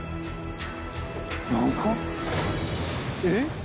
え？